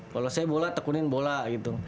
kalau saya bola tekunin bola gitu